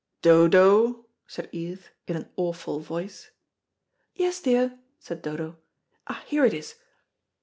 "Dodo," said Edith, in an awful voice. "Yes, dear," said Dodo. "Ah, here it is."